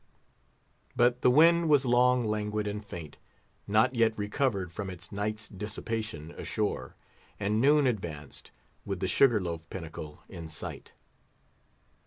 But the wind was long languid and faint, not yet recovered from its night's dissipation ashore, and noon advanced, with the Sugar Loaf pinnacle in sight.